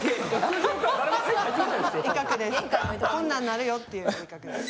こんなんなるよっていう威嚇です。